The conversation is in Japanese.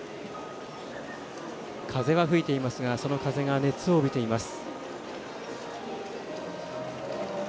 風は吹いていますがその風が熱を帯びています。